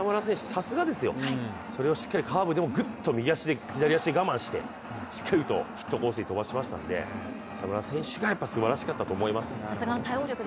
さすがですよ、それをしっかりカーブでもぐっと左足で我慢してしっかりとヒットコースに飛ばしましたのでさすが、浅村選手がすばらしかったと思います。